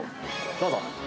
どうぞ。